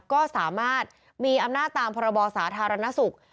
ก็สามารถมีอำนาจตามพรบสาธารณสุข